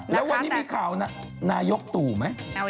แล้ววันนี้มีข่าวนายกตู่ไหม